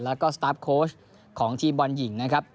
แล้วก็สตาร์ฟโค้ชของทีมบอลหญิงนะครับ